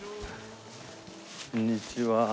こんにちは。